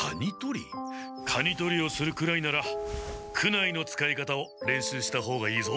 カニとりをするくらいなら苦無の使い方を練習した方がいいぞ！